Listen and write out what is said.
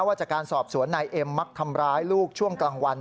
ว่าจากการสอบสวนนายเอ็มมักทำร้ายลูกช่วงกลางวัน